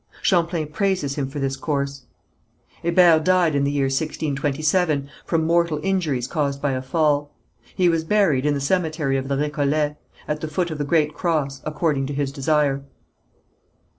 Champlain praises him for this course. Hébert died in the year 1627, from mortal injuries caused by a fall. He was buried in the cemetery of the Récollets, at the foot of the great cross, according to his desire.